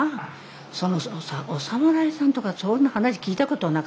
そもそもお侍さんとかそういう話聞いたことなかった。